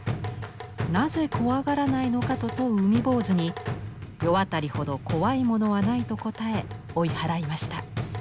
「なぜ怖がらないのか」と問う海坊主に「世渡りほど怖いものはない」と答え追い払いました。